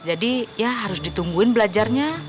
jadi ya harus ditungguin belajarnya